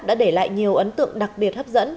đã để lại nhiều ấn tượng đặc biệt hấp dẫn